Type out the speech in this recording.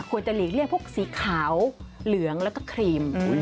หลีกเลี่ยงพวกสีขาวเหลืองแล้วก็ครีม